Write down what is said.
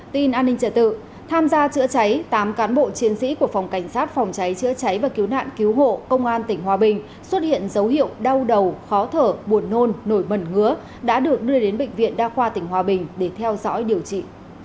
tin an ninh trợ tự tham gia chữa cháy tám cán bộ chiến sĩ của phòng cảnh sát phòng cháy chữa cháy và cứu nạn cứu hộ công an tỉnh hòa bình xuất hiện dấu hiệu đau đầu khó thở buồn nôn nổi mẩn ngứa đã được đưa đến bệnh viện đa khoa tỉnh hòa bình để theo dõi điều trị